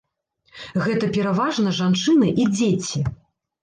Гэта пераважна жанчыны і дзеці.